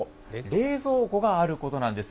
冷蔵庫があることなんです。